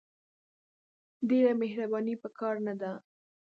ډېره مهرباني په کار نه ده !